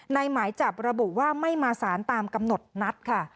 หมายจับระบุว่าไม่มาสารตามกำหนดนัดค่ะ